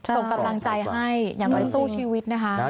ส่งกำลังใจให้อย่างน้อยสู้ชีวิตนะคะ